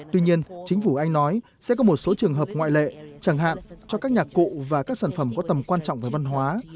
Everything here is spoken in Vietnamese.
tuy nhiên chính phủ anh nói sẽ có một số trường hợp ngoại lệ chẳng hạn cho các nhạc cụ và các sản phẩm có tầm quan trọng về văn hóa